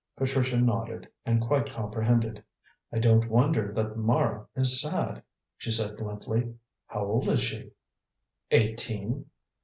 Patricia nodded, and quite comprehended. "I don't wonder that Mara is sad," she said bluntly. "How old is she?" "Eighteen!"